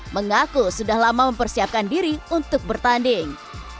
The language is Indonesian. mengaku sudah lama mempersiapkan diri untuk bertanding